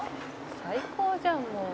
「最高じゃんもう」